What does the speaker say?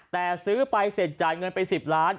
แต่ซื้อไปเสร็จจ่ายเงินไป๑๐ล้าน